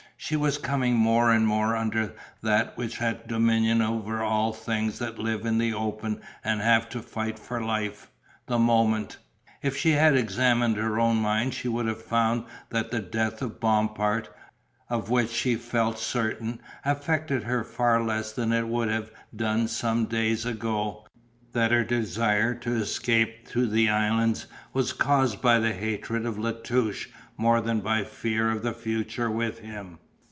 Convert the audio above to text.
She was coming more and more under that which has dominion over all things that live in the open and have to fight for life the moment. If she had examined her own mind she would have found that the death of Bompard, of which she felt certain, affected her far less than it would have done some days ago, that her desire to escape to the islands was caused by the hatred of La Touche more than by fear of the future with him.